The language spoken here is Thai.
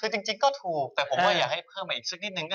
คือจริงก็ถูกแต่ผมว่าอยากให้เพิ่มมาอีกสักนิดนึง